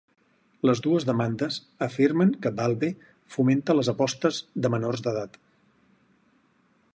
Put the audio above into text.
Les dues demandes afirmen que Valve fomenta les apostes de menors d'edat.